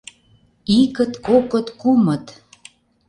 Икыт, кокыт, кумыт.